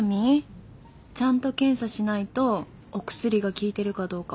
ちゃんと検査しないとお薬が効いてるかどうか分からないんだよ。